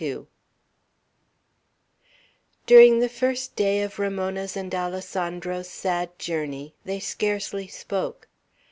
XXII DURING the first day of Ramona's and Alessandro's sad journey they scarcely spoke.